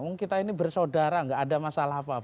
oh kita ini bersaudara nggak ada masalah apa apa